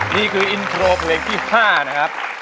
นี่คืออินโทรเพลงที่๕นะครับ